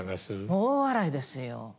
大笑いですよ。